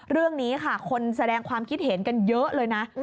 เรื่องนี้ค่ะคนแสดงความคิดเห็นกันเยอะเลยนะ